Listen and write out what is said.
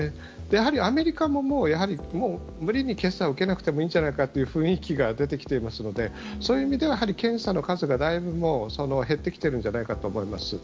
やはりアメリカももう、やはりもう、無理に検査を受けなくてもいいんじゃないかという雰囲気が出てきていますので、そういう意味ではやはり検査の数がだいぶもう、減ってきてるんじゃないかと思います。